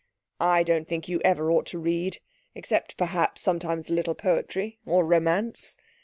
I don't think you ever ought to read except perhaps sometimes a little poetry, or romance....